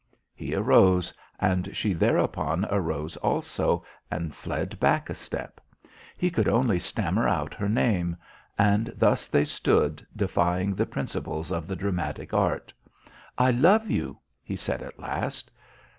He arose, and she thereupon arose also and fled back a step. He could only stammer out her name. And thus they stood, defying the principles of the dramatic art. "I love you," he said at last.